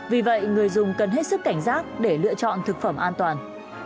vì vậy người dùng cần hết sức cảnh giác để lựa chọn thực phẩm an toàn